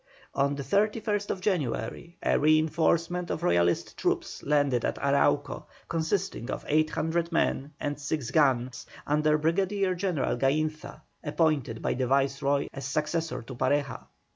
On the 31st January a reinforcement of Royalist troops landed at Arauco, consisting of 800 men and six guns under Brigadier General Gainza, appointed by the Viceroy as successor to Pareja.